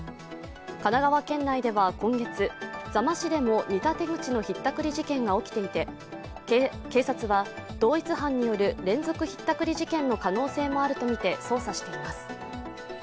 神奈川県内では今月、座間市でも似た手口のひったくり事件が起きていて警察は同一犯による連続ひったくり事件の可能性もあるとみて捜査しています。